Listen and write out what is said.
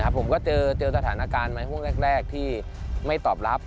ผมก็เจอสถานการณ์ในห่วงแรกที่ไม่ตอบรับ